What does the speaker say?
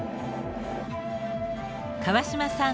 川島さん